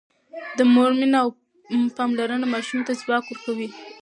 د مور مینه او پاملرنه ماشومانو ته ځواک ورکوي.